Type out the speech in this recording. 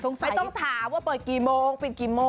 ไม่ต้องถามว่าเปิดกี่โมงปิดกี่โมง